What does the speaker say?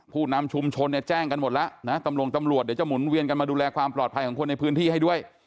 ผู้นำชุมชนเนี่ยแจ้งกันหมดแล้วนะตำรวจเดี๋ยวจะหมุนเวียนกันมาดูแลความปลอดภัยของคนในพื้นที่ให้ด้วย